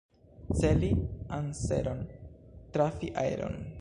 Celi anseron, trafi aeron.